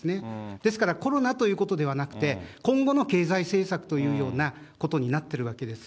ですからコロナということではなくて、今後の経済政策というようなことになってるわけです。